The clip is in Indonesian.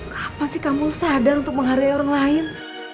kapan sih kamu sadar untuk menghargai orang lain